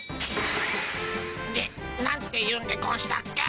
でなんて言うんでゴンしたっけ？